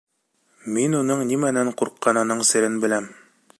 Мин уның нимәнән ҡурҡҡанының серен беләм.